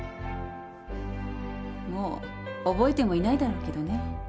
もう覚えてもいないだろうけどね。